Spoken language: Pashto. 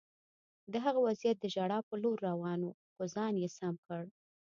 د هغه وضعیت د ژړا په لور روان و خو ځان یې سم کړ